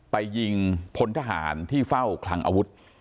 ไปยิงพลทหารที่เฝ้าคลังอาวุธ